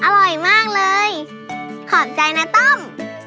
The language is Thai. อร่อยมากเลยขอบใจนะต้อม